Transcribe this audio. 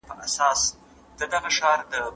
که تعلیم تحلیل ته وده ورکړي، فکر سطحي نه پاته کېږي.